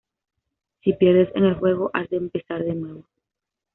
Si pierdes en el juego, has de empezar de nuevo.